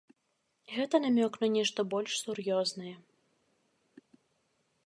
Гэта намёк на нешта больш сур'ёзнае.